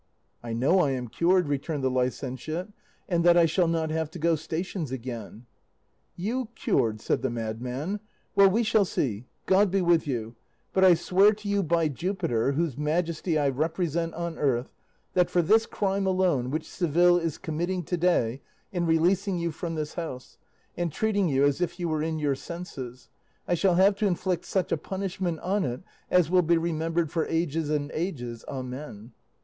"'I know I am cured,' returned the licentiate, 'and that I shall not have to go stations again.' "'You cured!' said the madman; 'well, we shall see; God be with you; but I swear to you by Jupiter, whose majesty I represent on earth, that for this crime alone, which Seville is committing to day in releasing you from this house, and treating you as if you were in your senses, I shall have to inflict such a punishment on it as will be remembered for ages and ages, amen.